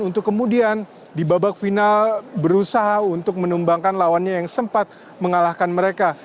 untuk kemudian di babak final berusaha untuk menumbangkan lawannya yang sempat mengalahkan mereka